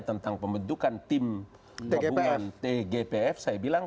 tentang pembentukan tim gabungan tgpf saya bilang